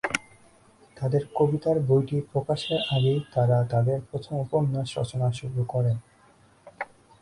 তাদের কবিতার বইটি প্রকাশের আগেই তারা তাদের প্রথম উপন্যাস রচনা শুরু করেন।